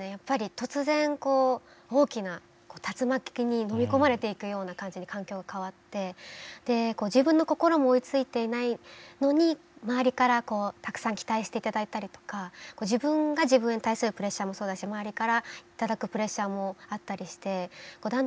やっぱり突然こう大きな竜巻にのみ込まれていくような感じに環境が変わって自分の心も追いついていないのに周りからこうたくさん期待して頂いたりとか自分が自分に対するプレッシャーもそうだし周りから頂くプレッシャーもあったりしてだんだん自分の何だろう存在が